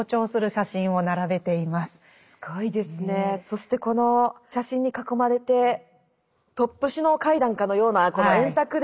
そしてこの写真に囲まれてトップ首脳会談かのようなこの円卓で。